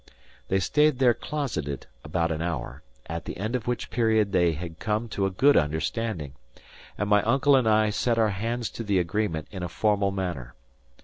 They stayed there closeted about an hour; at the end of which period they had come to a good understanding, and my uncle and I set our hands to the agreement in a formal manner.